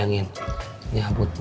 nggak ada apa apa